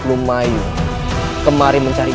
raka ingin benderita padahal